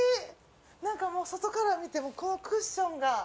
なんかもう外から見てもこのクッションが。